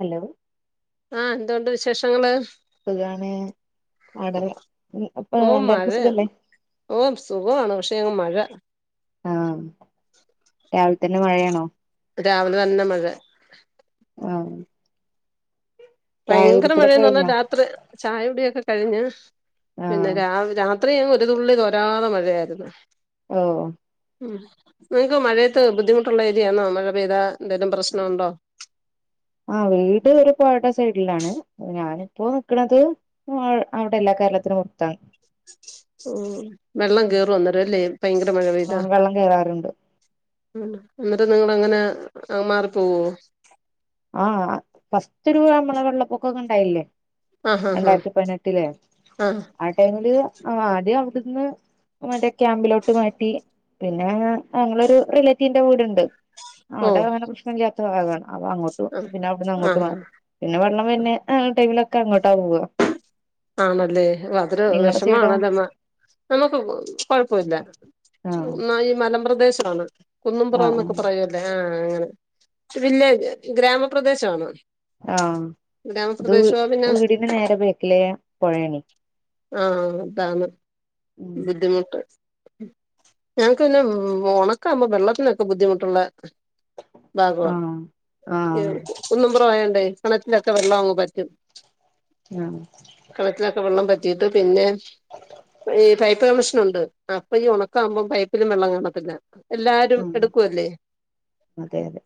Hello. ആഹ് എന്തൊണ്ട് വിശേഷങ്ങള്. സുഖാണ്. അടെ. ഓഹ് മഴെ. ഓഹ് സുഖാണ്. പക്ഷെ അങ്ങ് മഴ. ആഹ് രാവിൽത്തന്നെ മഴയാണോ? രാവിലെ തന്നെ മഴ ആഹ്. ചായ ഭയങ്കര കുടിക്കലൊക്കെ മഴയേന്ന് പറഞ്ഞാ കഴിഞ്ഞോ രാത്രി ചായൊടിയൊക്കെ കഴിഞ്ഞ് പിന്നെ ആഹ് രാവില. അത്രയും ഒരു തുള്ളി തൊരാതെ മഴയായിരുന്നു. ഓഹ്. ഉം നിങ്ങൾക്ക് മഴയത്ത് ബുദ്ധിമുട്ടുള്ള ഏരിയാണൊ. മഴ പെയ്താ എന്തെലും പ്രശ്ന ഇണ്ടോ. ആഹ് വീട് ഒരു പുഴയുടെ സൈഡിലാണ്. ഞാനിപ്പോ നിക്ക്ണത്. അവിടെ അല്ലാ. കേരളത്തിനു പൊറത്താണ്. ഓഹ് വെള്ളം കേറും അന്നേരം ലെ ഭയങ്കര മഴ പെയ്താ. ആഹ് വെള്ളം കേറാറുണ്ട് ഉം ഇന്നട്ട് നിങ്ങൾ അങ്ങനെ മാറിപ്പോവോ? ആഹ് ഫസ്റ്റ് ഒരു [unintelligible] വെള്ളപൊക്കൊക്കെ ഇണ്ടായില്ലെ. ആഹ് ആഹ് രണ്ടായിരത്തി പതിനെട്ടിലേ. ആഹ് ആഹ് അ. ടൈമില് ആദ്യം അവിടുന്ന് മറ്റെ ക്യാമ്പിലോട്ട് മാറ്റി. പിന്നെ ഞങ്ങളൊരു റിലേറ്റീവിന്റെ വീടുണ്ട്. ഓ അവിടെ അങ്ങനെ പ്രശ്നം ഇല്ലാത്ത ഭാഗാണ് അപ്പൊ അ. ട്ടു. ആഹ് പിന്നെ അവിട്ന്ന് അങ്ങോട്ട് ആഹ് മാറി. പിന്നെ വള്ളം വര്ന്ന ആ ടൈമിലൊക്കെ അങ്ങോട്ടാ പോവ. ആണെല്ലേ. അതൊരു വെഷമാമാണല്ലോമ്മ നമ്മുക്ക് കൊഴപ്പുല്ല. ആഹ് ഇന്നാ ഈ മലമ്പ്രദേശാണ്. കുന്നപുറം ആഹ് എന്നൊക്കെ പറയ്വല്ലേ. ആഹ് അങ്ങനെ. ഇന്നട്ട് പിന്നെ ഗ്രാമപ്രദേശാണ്. ആഹ്. ഇത് വീ വീടിന് നേരെ ബേക്ക്ലേ പൊഴേണെ. ആഹ് അതാണ് ഉം ബുദ്ധിമുട്ട്. ഞങ്ങക്ക് പിന്നെ ഒണക്കാകുമ്പോ വെള്ളത്തിനൊക്കെ ബുദ്ധിമുട്ട്ള്ള. ഭാഗവാ. ആഹ് ആഹ് ഏഹ് കുന്നുംപുറം ആയോണ്ടെ കിണറ്റിലൊക്കെ വെള്ളം അങ്ങങ് വറ്റും. ആഹ്. കെണറ്റിലൊക്കെ വെള്ളം വറ്റിയിട്ട് പിന്നെ. ഈ പൈപ്പ് കണ്ടക്ഷനുണ്ട്. അപ്പൊ ഈ ഒണക്കാകുമ്പോം പൈപ്പിലും വെള്ളം കാണത്തില്ല. എല്ലാരും ആഹ് എടുക്ക്വല്ലേ. അതെ അതെ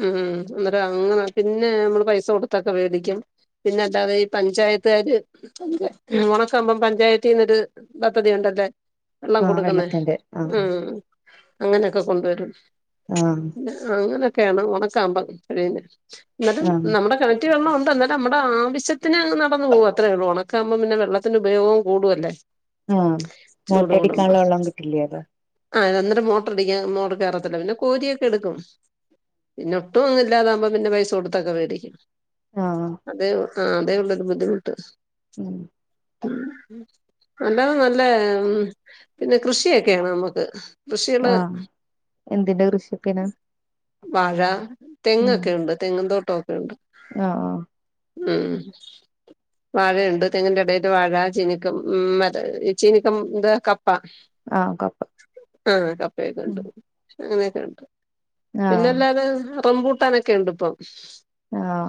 ഉംഹ അന്നേരം അങ്ങനെ. പിന്നെ നമ്മള് പൈസ കൊടുത്തൊക്കെ വേടിക്കും. പിന്നെ അല്ലാതെ ഈ പഞ്ചായത്തുകാര്. പഞ്ച. ഉംഹ് ഓണക്കാവുമ്പം പഞ്ചായത്തീന്നൊരു പദ്ധതി ഉണ്ടല്ലെ വെള്ളം ആഹ് കൊടുക്കുന്നെ വെള്ളത്തിന്റെ ആഹ് ഉം അങ്ങനെയൊക്കെ കൊണ്ടു വരും. ആഹ്. അങ്ങനെയൊക്കെയാണ് ഒണക്കാവുമ്പം കഴിയുന്നെ. ഇന്നെട്ട് ആഹ് നമ്മടെ കെണ. റ്റ് വെള്ള ഒണ്ട്. എന്നാലും നമ്മുടെ ആവശ്യത്തിന് നടന്ന്പോകും അത്രേ ഒള്ളു ഒണക്ക. ക്കാവുമ്പം പിന്നെ വെള്ളത്തിന്റെ ഉപയോഗവും കൂടു അല്ലേ. ആഹ് മോട്ട അടിക്കാൻള്ള വെള്ളം കിട്ടില്ലെ അതെ. ആഹ് അന്നേരം മോട്ടർ അടിക്ക മോട്ട്ർ കേറത്തില്ല. പിന്നെ കോരിയൊക്കെ എടുക്കും. പിന്നെ ഒട്ടും അങ്ങ് ഇല്ല. അതാവുമ്പം പിന്നെ പൈസ കൊടുത്തൊക്കെ വേടിക്കും. ആഹ് അതെ. ആഹ് അതേ ഉള്ളൊരു ബുദ്ധിമുട്ട്. ഉം ഉം നല്ലത. നല്ല പിന്നെ കൃഷിയൊക്ക്യേയാണ് നമ്മുക്ക്. കൃഷിയേള്. ആഹ് എന്തിന്റെ കൃഷി ഒക്കെ വാഴ, ഉം തെങ്ങൊക്കെ ഒണ്ട് തെങ്ങ് തോട്ട ഒക്കെ ഉണ്ട്. ആഹ് ആഹ് ഉം വഴയുണ്ട് തെങ്ങിന്റെ എടേല് വാഴ, ചീനിക്കം ഉം മ ചീനിക്കം ഇന്ത കപ്പ ആഹ് കപ്പ ആഹ് കപ്പെ ഒക്കെ ഉം ഇണ്ട്. അങ്ങനെയൊക്കെ ഇണ്ട്. പിന്നെ ആഹ് അല്ലാതെ റംപൂട്ടാനൊക്കെ ഉണ്ട് ഇപ്പം. ആഹ്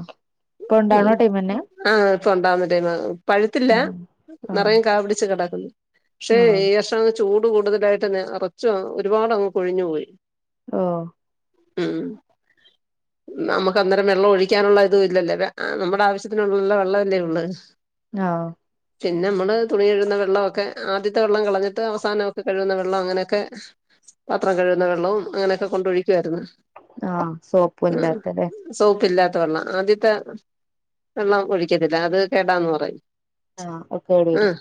ഇപ്പൊ ഉണ്ടാവ്ണ ടൈമെന്നെ. ആഹ് ഇപ്പ ഉണ്ടാവുന്ന ടൈമാ. പഴുത്തില്ല ആഹ് ആഹ് നെറയും കാ പിടിച്ചു കെടക്കുന്നു. പക്ഷേ ആഹ് ഈ വർഷം അങ്ങ് ചൂട് കൂടുതലായിട്ടെന്നെ അറച്ചു ഒരുപാട് അങ്ങ് കൊഴിഞ്ഞു പോയി. ഓഹ് ഉം നമുക്ക് അന്നേരം വെള്ളം ഒഴിക്കാനുള്ള ഇതും ഇല്ലല്ലേ. നമ്മുടെ ആവശ്യത്തിനുള്ള വെള്ളെല്ലേ ഇള്ളേ ആഹ് പിന്നെ നമ്മള് തുണി കഴുന്ന വെള്ളമൊക്കെ ആദ്യത്തെ വെള്ളം കളഞ്ഞിട്ട് അവസാനം ഒക്കെ കഴുകുന്ന വെള്ളം അങ്ങനെയൊക്കെ പത്രം കഴുകുന്ന വെള്ളവും അങ്ങനെയൊക്കെ കൊണ്ട് ഒഴിക്കായിരുന്നു. ആഹ് സോപ്പും അല്ലാത്തലെ. സോപ്പ് ഇല്ലാത്ത വെള്ളം. ആദ്യത്തെ വെള്ളം ഒഴിക്കത്തില്ല. അത് കേടാന്ന് പറയും. ആഹ് അത് കേട് വരും ഉം.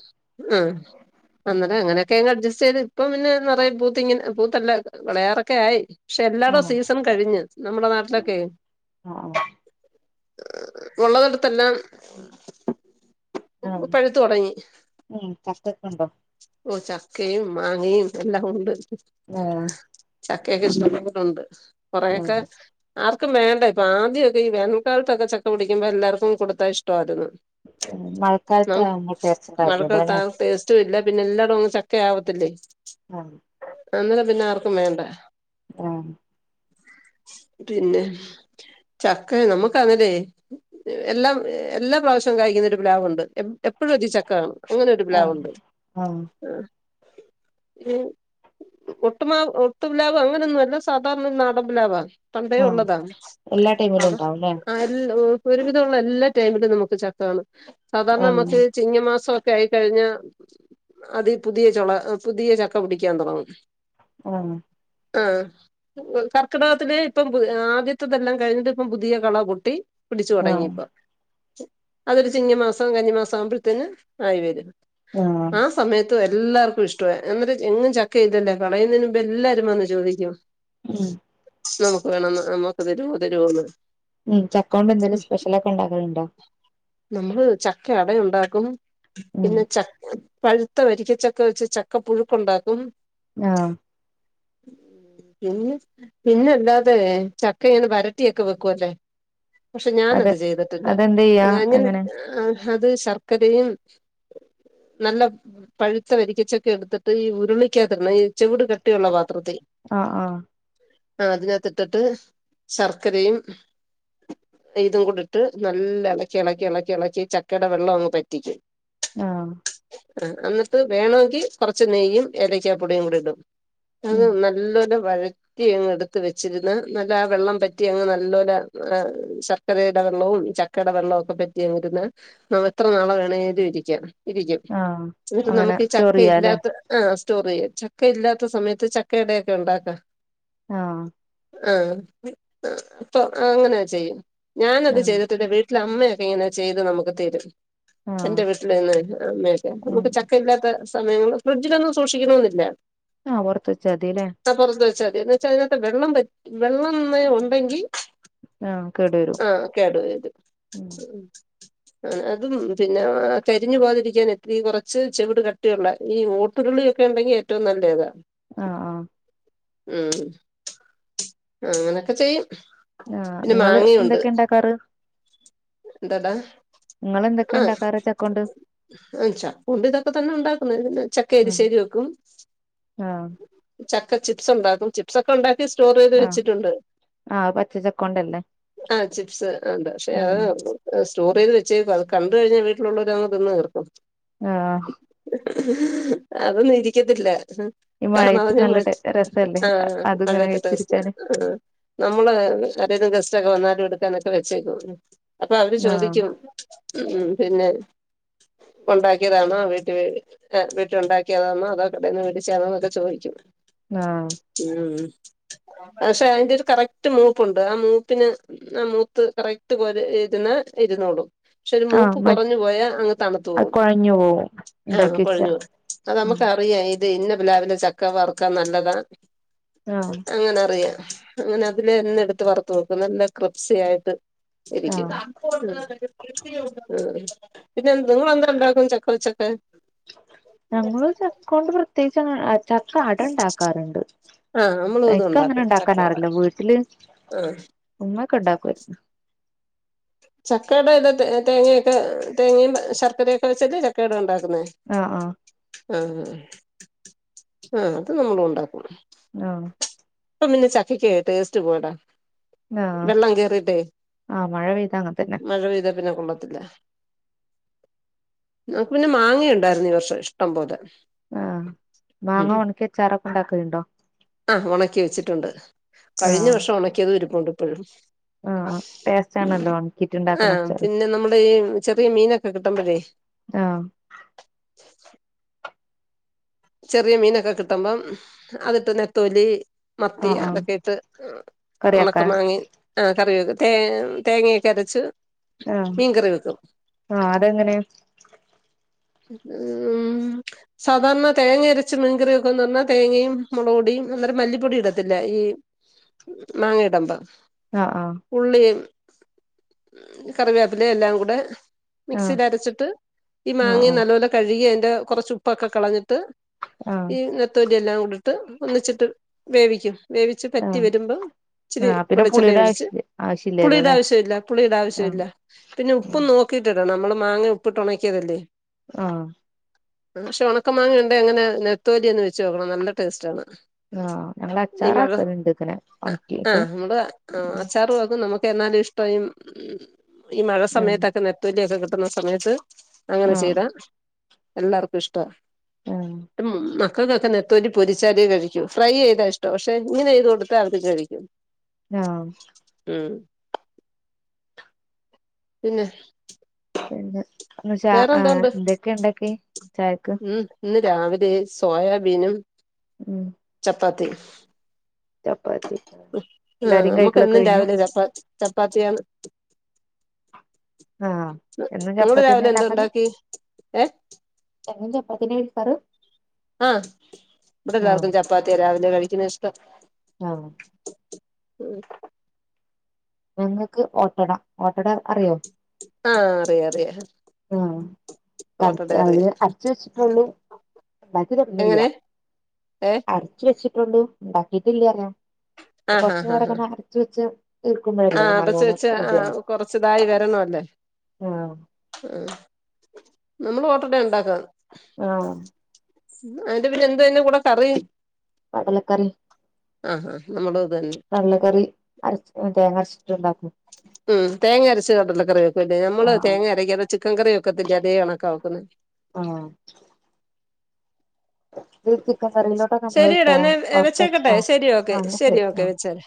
ഉം അന്നലെ അങ്ങനെയൊക്കെ അങ്ങ് അഡ്ജസ്റ്റ് ചെയ്ത് ഇപ്പം പിന്നെ നിറയ പൂത്തിങ്ങനെ പൂത്തല്ല വെളയാറൊക്കെ ആയി. പക്ഷെ എല്ലാരുടെ ആഹ് സീസൺ കഴിഞ്ഞ്. നമ്മുടെ നാട്ടിലൊക്കെ. ആഹ് ഉള്ളതെടുത്തെല്ലാം. ആഹ് പഴുത്ത് തൊടങ്ങി. ഉം ചക്കൊക്കെ ഉണ്ടൊ. ഓ ചക്കയും മാങ്ങയും എല്ലാം ഉണ്ട്. ആഹ് ചക്കയൊക്കെ ഇഷ്ട്ടം പോലെ ഉണ്ട്. ഉം കൊറെയൊക്കെ. ആർക്കും വേണ്ട ഇപ്പം. ആദ്യാെക്കെ ഈ വേനൽക്കാൽത്തൊക്കെ ചക്ക പിടിക്കുമ്പോ എല്ലാർക്കും കൊടുത്താ ഇഷ്ടവായിരുന്നു. മഴക്കാലത്ത് നമു ആവുമ്പോ [unintelligible] ടേസ്റ്റ് മഴക്കള ഉണ്ടാവില്ലല്ലോ [unintelligible] [unintelligible] താ അല്ലേ ഇല്ല പിന്നെ എല്ലായിടും അങ്ങ് ചക്ക ആവത്തില്ലെ. ആഹ് അന്നെരം പിന്നെ ആർക്കും വേണ്ട. ആഹ് റ്റുല്ലെ. ചക്ക നമ്മുക്കങ്ങനെ. എല്ലാ എല്ലാ പ്രാവശ്യവും കായ്ക്കുന്ന ഒരു പ്ലാവുണ്ട്. എപ്പോഴും അതി ചക്ക കാണും. അങ്ങനെ ഒരു ആഹ് പ്ലാവുണ്ട് ആഹ് ഉം ഒട്ട്മാ ഒട്ടു പ്ലാവ് അങ്ങനെയൊന്നും അല്ല. സാധാരണ നാടൻ പ്ലാവ. പണ്ടേ ആഹ് ഒള്ളതാണ്. എല്ലാ ടൈമിലും അതും ഉണ്ടാവുംല്ലേ ആഹ് ഒരുവിതമുള്ള എല്ലാ ടൈമിലും നമുക്ക് ചക്ക കാണും. സാധാരണ ആഹ് നമക്ക്. ചിങ്ങമാസം ഒക്കെ ആയിക്കഴിഞ്ഞ അതി പുതിയ ചൊള പുതിയ ചക്ക പിടിക്കാൻ തൊടങ്ങും. ഉം ആഹ് കർക്കിടകത്തിന് ഇപ്പം ആദ്യത്തെതെല്ലാം കഴിഞ്ഞിട്ട് ഇപ്പം പുതിയ കള പൊട്ടി. പിടിച്ചു തൊടങ്ങി ആഹ് ഇപ്പോ. അതൊരു ചിങ്ങമാസം കന്നിമാസം ആവുമ്പഴ് ത്തേന് ആയി വരും. ആഹ് സമയ ത്തു എല്ലാർക്കും ഇഷ്ടവായി. എന്നിട്ട് എങ്ങും ചക്കയിടെല്ല കളയുന്നേന് മുമ്പെല്ലാരും വന്ന് ചോദിക്കും. ഉം നമുക്ക് വേണം ന നമക്ക് തരുവോ തര്വാന്ന്. ഉം ചക്കോണ്ടെന്തേലും സ്പെഷ്യലൊക്കെ ഇണ്ടാക്കല്ണ്ടോ? നമ്മള് ചക്ക അടയുണ്ടാക്കും. ഉം പിന്നെ ചക്ക് പഴുത്ത വരിക്കച്ചക്ക വെച്ച് ചക്ക പുഴുക്കൊണ്ടാക്കും. ആഹ് [inaudible] പിന്നെ പിന്ന അല്ലാതേ ചക്കയിങ്ങനെ വരട്ടിയെക്ക വെക്ക്വല്ലേ പക്ഷെ ഞാനത് അതെ ചെയ്തട്ടില്ല. അതെന്തെയ്യാ അങ്ങനെ എങ്ങനെ ആഹ് അത് ശർക്കരയും നല്ല പഴുത്ത വരിക്കച്ചക്കയെടുത്തിട്ട് ഈ ഉരുളിക്കാത്തിടണം. ഈ ചെവിട് കട്ടിയുള്ള പാത്രത്തീ ആഹ് ആഹ് ആഹ് അതിനകത്തിട്ടട്ട് ശർക്കരയും ഇതും കൂടിട്ട് നല്ല എളക്കിയെളക്കി യെളക്കിയെളക്കി ചക്കേട വെള്ളവങ്ങ് പറ്റിക്കും. ആഹ് ആഹ് അന്ന്ട്ട് വേണവെങ്കി കൊറച്ച് നെയ്യും ഏലയ്ക്കാപ്പൊടിയും കൂടെ ഇടും. അത് ഉം നല്ലോലെ വഴ റ്റിയങ്ങെടുത്ത് വെച്ചിരുന്നാ നല്ലാ വെള്ളം പറ്റിയങ്ങ് നല്ലോലാ ആഹ് ശർക്കരേട വെള്ളവും ചക്ക് ക്കേട വെള്ളോക്ക പറ്റിയങ്ങിരുന്ന് നമെത്ര നാള് വേണേലും ഇരിക്ക ഇരിക്കും. ആഹ് എന്നിട്ട് അങ്ങനെ നമ്മക്കീ സ്റ്റോർ ചെയ്യാലേ ചക്കയില്ലാത്ത ആഹ് സ്റ്റോറെയ്യാം ചക്കയില്ലാത്ത സമയത്ത് ചക്കയടയൊക്കെയൊണ്ടാക്കാ. ആഹ് ആഹ് പി ആഹ് അപ്പൊ ആഹ് അങ്ങനാ ചെയ്യും ഞാനത് ആഹ് ചെയ്തിട്ടെന്റെ വീട്ട് ട്ടിലമ്മയൊക്കെ ഇങ്ങനാ ചെയ്ത് നമ്മക്ക് തരും ആഹ് എന്റെ വീട്ടില് നിന്ന് അമ്മയൊക്കെ ഉം നമുക്ക് ചക്ക ഇല്ലാ ത്ത സമയങ്ങള് ഫ്രിഡ്ജിലൊന്നും സൂക്ഷിക്കണമെന്നില്ല ആഹ് പൊറത്ത് വെച്ചാതിയല്ലേ ആഹ് പൊറത്ത് വെച്ചാതി എന്നു വെച്ചാ അതിനാത്തെ വെള്ളം വറ്റ് വെള്ളം നേ ഒണ്ടെങ്കി ആഹ് കേടു വരും ആഹ് കേട് വരും ഉം ആണ് അതും പിന്നാ കരിഞ്ഞു പോകാതിരിക്കാന് ഈ കൊറച്ച് ചെവിട് കട്ടിയുള്ള ഈ ഓട്ടുരുളിയൊക്കെയൊണ്ടെങ്കി ഏറ്റവും നല്ലേതാ ആഹ് ആഹ് ഉം അങ്ങനെയൊക്കെ ചെയ്യും ആഹ് പിന്നെ ഇങ്ങള് മാങ്ങയുണ്ട് എന്തൊക്കെ ഇണ്ടാക്കാറ് എന്താടാ നിങ്ങളെന്തൊക്കേ ഇണ്ടാക്കാറ് ചക്കോണ്ട് ഉം ചക്കോണ്ട് ഇതൊക്കെ തന്നെ ഉണ്ടാക്കുന്നത് പിന്നെ ചക്ക ഉം എരിശ്ശേരി വെക്കും ആഹ് ചക്ക ചിപ്സൊണ്ടാക്കും ചിപ്സൊക്കെ ഒണ്ടാക്കി സ്റ്റോറ് ചെയ് ആഹ് ച്ചിട്ടുണ്ട് ആഹ് പച്ച ചക്കോണ്ടല്ലേ ആഹ് ചിപ്സ് ആഹ് ഉണ്ട് പക്ഷേ ഉം അഅ് അ് സ്റ്റോറെയ്ത് വെച്ചേക്കുവാ അത് കണ്ട് കഴിഞ്ഞാ വീട്ടിലുള്ളവര് അങ്ങ് തിന്ന് തീർക്കും ആഹ് അതൊന്നും ഇരിക്കത്തില്ല ഹ് ഈ കാരണം മഴയത്ത് അത് ഞാൻ നല്ല ടെ മാറ്റി രസല്ലേ ആഹ് അതിങ്ങനെ അങ്ങനത്തെ ടേസ്റ്റാ കഴിച്ചിരിക്കാന് ആഹ് നമ്മള് ആരേലും ഗസ്റ്റൊക്കെ വന്നാലും എടുക്കാനൊക്കെ വെച്ചേക്കും അപ്പവര് ആഹ് ചോദിക്കും ഉം പിന്നെ ഒണ്ടാക്കിയതാണോ വീട്ടീ വേടി ആഹ് വീട്ടീയൊണ്ടാക്കിയതാന്നോ അതോ കടേന്ന് വേടിച്ചെയാന്നോന്നൊക്കെ ചോയിക്കും. ആഹ് ഉം പക്ഷെ അയിന്റൊരു കറക്റ്റ് മൂപ്പുണ്ട് ആ മൂപ്പിന് ആഹ് മൂത്ത് കറക്റ്റ് കോര് ഇരുന്ന ഇരുന്നോളും പക്ഷെ ഒരു ആഹ് മൂപ്പ് മ കൊറഞ്ഞു പോയാ അങ്ങ് അത് തണുത്തുപോവും കൊഴഞ്ഞു പോവും ആഹ് ഇണ്ടാക്കി വെച്ചാ കൊഴഞ്ഞ് അത് ഉം നമുക്കറിയാം ഇത് ഇന്ന പ്ലാവിലെ ചക്ക വറക്കാൻ നല്ലതാ ആഹ് അങ്ങനെ അറിയ അങ്ങനെ അതിലെന്നെ എടുത്ത് വറത്ത് വെക്കും നല്ല ക്രിപ്സിയായിട്ട് ഇരിക്കും ആഹ് ഉം ഉം പിന്നെ നിങ്ങളെന്തൊണ്ടാക്കും ചക്ക വെച്ചൊക്കെ ഞങ്ങള് ചക്കകൊണ്ട് പ്രത്യേകിച്ചങ്ങനെ ചക്ക അട ഇണ്ടാക്കാറുണ്ട് ആഹ് നമ്മളും ഇത് എക്കങ്ങനെ ഉണ്ടാക്കും ചക്കയുടെ ഉണ്ടാക്കാനറില്ല വീട്ടില് ആഹ് ഉമ്മക്കെ ഉണ്ടാക്കാരുന്നു ചക്കേട ഇത തേങ്ങേക്കെ തേങ്ങയും ശർക്കരയൊക്കെ വെച്ചിട്ട് ചക്കേട ഉണ്ടാക്കുന്നേ ആഹ് ആഹ് ആഹ് ആഹ് അത് നമ്മളു ഉണ്ടാക്കും ആഹ് ഇപ്പൊപിന്നെ ചക്കക്ക് ടേസ്റ്റ് പോയെട ആഹ് വെള്ളം കേറീട്ടെ ആഹ് മഴ പെയ്താ അങ്ങനെ തന്നെ മഴപെയ്തെപിന്നെ കൊള്ളത്തില്ല നമുക്ക് പിന്നെ മാങ്ങയുണ്ടായിരുന്നു ഈ വർഷം ഇഷ്ടം പോലെ ആഹ് മാങ്ങ ഉം ഒണക്കി അച്ചാറൊക്കെ ഉണ്ടാക്കലിണ്ടോ ച്ചിട്ടൊണ്ട് കഴിഞ്ഞ വർഷം ഒണക്കിയതും ഇരുപ്പൊണ്ട് ഇപ്പഴും ആഹ് ടേസ്റ്റ് ആണല്ലോ ഒണക്കിട്ട് ഉണ്ടാക്കണ ആഹ് അച്ചാറ് പിന്നെ നമ്മടെ ഈ ചെറിയ മീനൊക്കെ കിട്ടുമ്പഴേ ആഹ് ചെറിയ മീനൊക്കെ കിട്ടമ്പം അതിട്ട് നെത്തോലി മത്തി ആഹ് ആഹ് അതൊക്കെ ഇട്ട് കറിയാക്കാൻ ഒണക്കമാങ്ങേം ആഹ് കറിവെക്കും തേ തേങ്ങയൊക്കെ അരച്ച് ആഹ് മീൻകറി വെക്കും ആഹ് അതെങ്ങനെ ഉം സാധാരണ തേങ്ങ അരച്ച മീൻകറി വെക്കാന്നറഞ്ഞ തേങ്ങയും മുളപൊടിം അന്നേരം മല്ലിപ്പൊടി ഇടത്തില്ല ഈ മാങ്ങ ഇടമ്പം ആഹ് ആഹ് ഉള്ളീം കറിവേപ്പിലേം എല്ലാം കൂടെ ആഹ് മിക്സിയില് അരച്ചിട്ട് ആഹ് മാങ്ങേം ആഹ് നല്ലോലെ കഴുകി അതിന്റെ കൊറച്ച് ഉപ്പൊക്കെ കളഞ്ഞിട്ട് ആഹ് ന നെത്തോലി എല്ലാം കൂടിട്ട് ഒന്നിച്ചിട്ട് വേവിക്കും വേവിച്ച് പറ്റി ആഹ് വരുമ്പം ഇച്ചിരി ആഹ് പിന്നെ വെളിച്ചെണ്ണ പുളിയുടെ ഒഴിച്ച് ആവശ്യ ആവശ്യല്ലല്ലോ പുളീടെ അല്ലേ ആവശ്യവില്ല പുളീടെ ആഹ് ആവശ്യവില്ല പിന്നെ ഉപ്പും നോ ക്കീടിടണം നമ്മള് മാങ്ങ ഉപ്പിട്ട് ഒണക്കീതല്ലേ ആഹ് പക്ഷെ ഒണക്ക മാങ്ങയൊണ്ടേ അങ്ങനെ നെത്തോലി ഒന്ന് വെച്ചോക്കണം നല്ല ടേസ്റ്റാണ് ആഹ് ഞങ്ങള് ഈ മഴ അച്ചാറാക്കലുണ്ട് ഇങ്ങനെ ഒണക്കിയിട്ട് ആഹ് നമ്മള് ആഹ് അച്ചാറുവാക്കും നമുക്ക് എന്നാലും ഇഷ് ടം ഈ മഴ സമയത്തൊക്കെ നെത്തോലിയൊക്കെ കിട്ടുന്ന സമയത്ത് ആഹ് ചെയ്ത എല്ലാർക്കും ഇഷ്ടാ ആഹ് മക്കകെക്കെ നത്തോ ത്തോലി പൊരിച്ചാലെ കഴിക്കു ഫ്രൈ ചെയ്താ ഇഷ്ട പക്ഷെ ഇങ്ങനെ ചെയ്ത് കൊടുത്ത അതും കഴിക്കും ആഹ് ഉം പിന്നെ പിന്നെ ച ആഹ് വേറെന്തോണ്ട് എന്തൊക്കെ ഇണ്ടാക്കി ചായക്ക് ഉം ഇന്ന് രാവിലെ സോയാബീനും ഉം ചപ്പാത്തിം ചപ്പാത്തി ആഹ് എല്ലാരും കഴിക്കലൊക്കെ നമ്മുക്കെന്നും കഴിഞ്ഞു രാവിലെ ചപ്പാത്തി ചപ്പാത്തിയാണ് ആഹ് എന്നും നിങ്ങള് ചപ്പാത്തിന്നെ രാവിലെ ഇണ്ടാക്കാറ് എന്തുണ്ടാക്കി ഏഹ് എന്നും ചപ്പാത്തിന്നെ കഴിക്കാറ് ആഹ് ഇവിടെ ആഹ് എല്ലാർക്കും ചപ്പാത്തിയ രാവിലെ കഴിക്കുന്ന ഇഷ്ടം ആഹ് ഉം ഞങ്ങക്ക് ഓട്ടട ഓട്ടട അറിയോ ആഹ് അറിയ അറിയാ ആഹ് കലത്ത് അതിന് അരച്ച് വെച്ചിട്ടൊള്ളൂ ഉണ്ടാക്കി തൊടങ്ങില്യ എങ്ങനെ ഏഹ് ച്ച് വെച്ചിട്ടുള്ളു ഉണ്ടാക്കിട്ടില്യ പറയ ആഹ് കൊറച്ച് ആഹ് ആഹ് ആഹ് നേരംങ്ങനെ അരച്ച് വെച്ച് തീർക്കുമ്പോഴേ ആഹ് അടച്ചു വെച്ച് ആഹ് കൊറച്ചിതായി വരണോല്ലേ ആഹ് ഉം നമ്മള് ഓട്ടഡ ഉണ്ടാക്കാന്ന് ആഹ് ഉം അന്നിട്ട് പിന്നെ എന്തുവാ അതിന്റ്കൂടെ കറി കടലക്കറി ആഹ് ആഹ് നമ്മളും അത് തന്നെ കടലക്കറി അരച്ച് തേങ്ങ അരച്ചിട്ടുണ്ടാക്കും ഉം തേങ്ങ അരച്ച് കടലക്കറിവെക്കുവല്ലേ നമ്മള് ആഹ് ആഹ് തേങ്ങ അരയ്ക്കാതെ ചിക്കൻ കറിവെക്കത്തില്ലേ അതേ കണക്കാ വെക്കുന്നെ ആഹ് ദ് ചിക്കൻ കറി ശരിയെടാ എന്നാ വെച്ചേക്കട്ടെ ശരി ഓക്കെ അങ്ങനെ ശരി ആ ഓക്കെ വെച്ചേരെ